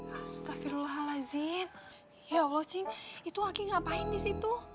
astagfirullahaladzim ya allah cing itu aki ngapain di situ